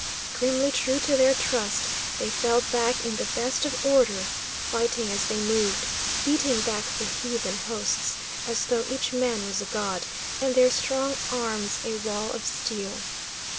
Grimly true to their trust, they fell back in the best of order, fighting as they moved, beating back the heathen hosts, as though each man was a god, and their strong arms a wall of steel.